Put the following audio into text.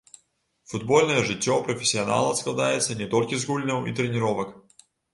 Футбольнае жыццё прафесіянала складаецца не толькі з гульняў і трэніровак.